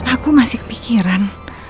aku masih kepikiran